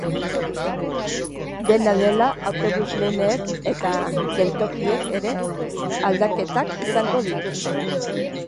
Dena dela, autobus lineek eta geltokiek ere aldaketak izango dituzte.